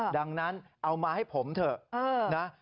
ดังนั้นเอามาให้ผมเถอะนะ